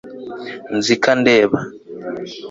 nzi ko andeba